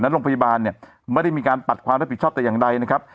โรงพยาบาลเนี่ยไม่ได้มีการปัดความรับผิดชอบแต่อย่างใดนะครับ